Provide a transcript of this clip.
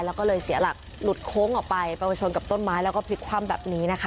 แล้วก็เลยเสียหลักหลุดโค้งออกไปไปชนกับต้นไม้แล้วก็พลิกคว่ำแบบนี้นะคะ